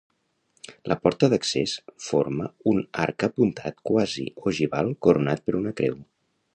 La porta d'accés forma un arc apuntat quasi ogival coronat per una creu.